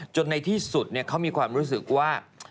ในที่สุดเขามีความรู้สึกว่า